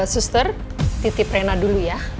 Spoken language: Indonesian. suster titip rena dulu ya